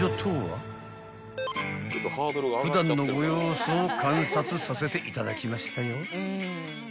［普段のご様子を観察させていただきましたよ］